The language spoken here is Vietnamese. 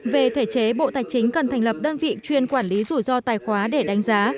về thể chế bộ tài chính cần thành lập đơn vị chuyên quản lý rủi ro tài khóa để đánh giá